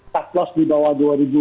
taklos di bawah